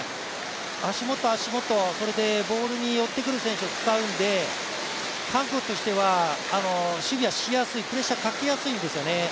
足元、足元、それでボールに寄ってくる選手を使うので韓国としては守備がしやすい、プレッシャーをかけやすいんですよね。